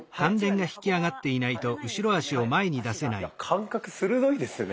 感覚鋭いですね